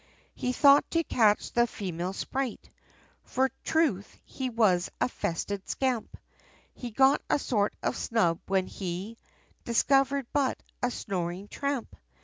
He thought to catch the female sprite, For truth, he was a festive scamp, But got a sort of snub, when he, Discovered but a snoring tramp!